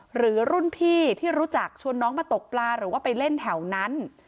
หรือรุ่นพี่ที่รู้จักชวนน้องมาตกปลาหรือว่าไปเล่นแถวนั้น